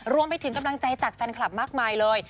รวมไปถึงกำลังใจจากแฟนคลับมากมายเลย